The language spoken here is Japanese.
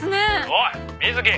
「おい水木！